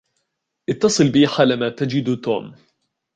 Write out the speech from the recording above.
اتّصل بي حالما تجد توم.